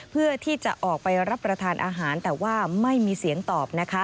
เพื่อที่จะออกไปรับประทานอาหารแต่ว่าไม่มีเสียงตอบนะคะ